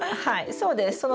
はいそうです。